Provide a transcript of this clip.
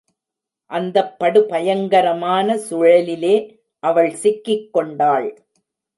அந்தப் படு பயங்கரமான சுழலிலே அவள் சிக்கிக் கொண்டாள்.